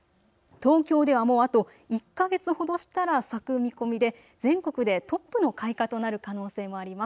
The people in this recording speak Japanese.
東京ではもうあと１か月ほどしたら咲く見込みで全国でトップの開花となる可能性もあります。